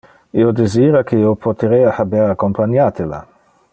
Io desira que io poterea haber accompaniate la.